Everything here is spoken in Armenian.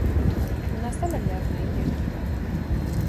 Յունաստանը լեռնային երկիր է։